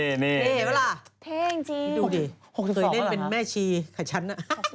เท่จริงจริงพี่ดูดิเคยเดินเป็นแม่ชีไข่ชั้นน่ะ